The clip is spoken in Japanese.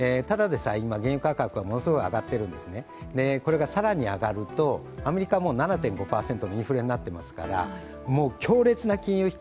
ただでさえ原油価格がものすごく上がっているんですね、これが更に上がるとアメリカは７．５％のインフレになってますからもう強烈な金融